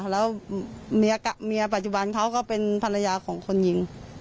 แล้วเมียปัจจุบันเขาก็เป็นภรรยาของคนยิง